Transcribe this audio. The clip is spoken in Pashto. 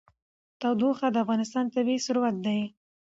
تودوخه د افغانستان طبعي ثروت دی.